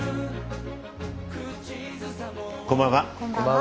こんばんは。